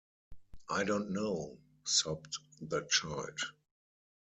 “I don’t know,” sobbed the child.